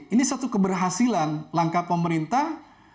ini satu keberhasilan langkah pemerintah